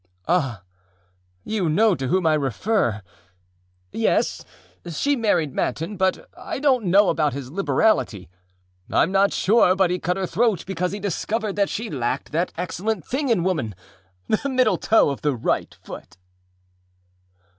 â âAh, you know to whom I refer. Yes, she married Manton, but I donât know about his liberality; Iâm not sure but he cut her throat because he discovered that she lacked that excellent thing in woman, the middle toe of the right foot.